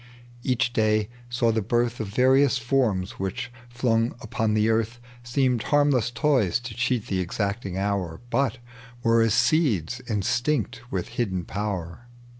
Each day saw the birth Of various forms, which, flung upon the earth, Seemed hamiless toys to cheat the exacting hour, But were as seeds instinct with hidden power.